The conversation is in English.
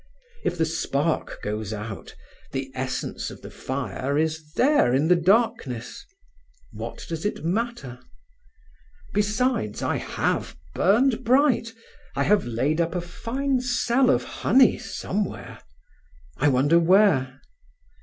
If the spark goes out, the essence of the fire is there in the darkness. What does it matter? Besides, I have burned bright; I have laid up a fine cell of honey somewhere—I wonder where?